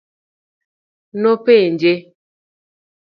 Nopenje.